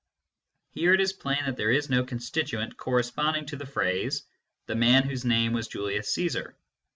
Here it is plain that there is no constituent corresponding to the phrase " the man whose name was Julius Cczsar."